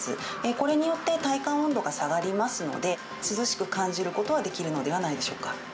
これによって、体感温度が下がりますので、涼しく感じることはできるのではないでしょうか。